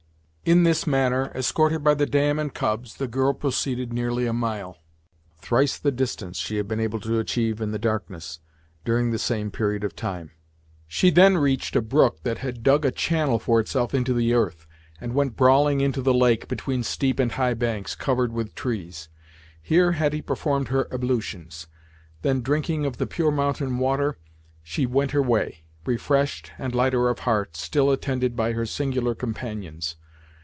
In this manner, escorted by the dam and cubs, the girl proceeded nearly a mile, thrice the distance she had been able to achieve in the darkness, during the same period of time. She then reached a brook that had dug a channel for itself into the earth, and went brawling into the lake, between steep and high banks, covered with trees. Here Hetty performed her ablutions; then drinking of the pure mountain water, she went her way, refreshed and lighter of heart, still attended by her singular companions.